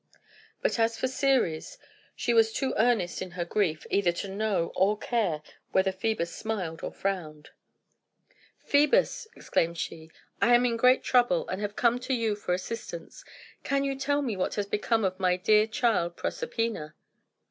But as for Ceres, she was too earnest in her grief either to know or care whether Phœbus smiled or frowned. "Phœbus!" exclaimed she, "I am in great trouble, and have come to you for assistance. Can you tell me what has become of my dear child Proserpina?"